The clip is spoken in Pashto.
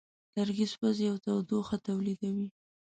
لرګی سوځي او تودوخه تولیدوي.